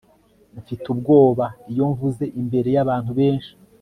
Mfite ubwoba iyo mvuze imbere yabantu benshi